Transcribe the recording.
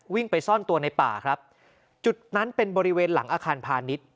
ไปซ่อนตัวในป่าครับจุดนั้นเป็นบริเวณหลังอาคารพาณิชย์